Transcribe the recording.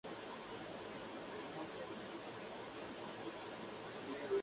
Pequeños ciclones son utilizados para el análisis de partículas contenidas en el aire libre.